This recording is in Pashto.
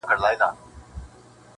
ویل ځه مخته دي ښه سلا مُلاجانه-